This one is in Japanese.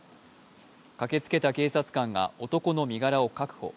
駆けつけた警察官が男の身柄を確保。